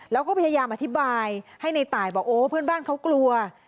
แล้วก็พยายามอธิบายให้ในตายบอกโอ้เพื่อนบ้านเขากลัว